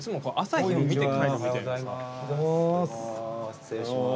失礼します。